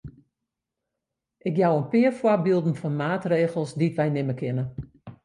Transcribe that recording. Ik jou in pear foarbylden fan maatregels dy't wy nimme kinne.